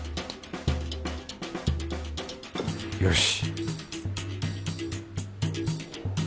よし！